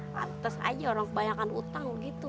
pantes aja orang kebanyakan utang gitu